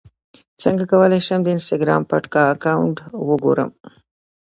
څنګه کولی شم د انسټاګرام پټ اکاونټ وګورم